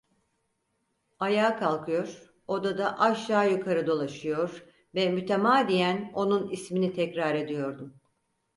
Ayağa kalkıyor, odada aşağı yukarı dolaşıyor ve mütemadiyen onun ismini tekrar ediyordum.